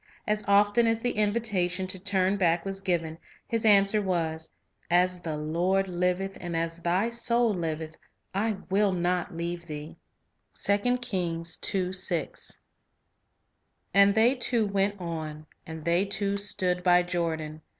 As often as the invitation to turn back was given, his answer was, "As the Lord liveth, and as thy soul liveth, I will not leave thee." ' "And they two went on. ... And they two stood by Jordan.